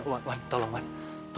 ini langsung kaget tak adainksnya